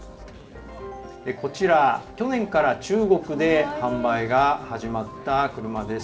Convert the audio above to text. こちら、去年から中国で販売が始まった車です。